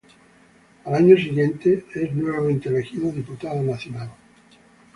Al año siguiente es nuevamente elegido Diputado Nacional.